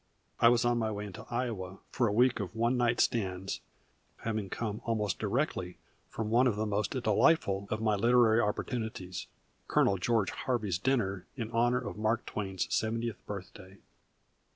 I was on my way into Iowa for a week of one night stands, having come almost directly from one of the most delightful of my literary opportunities Colonel George Harvey's dinner in honor of Mark Twain's seventieth birthday.